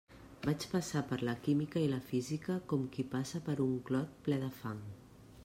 Vaig passar per la química i la física com qui passa per un clot ple de fang.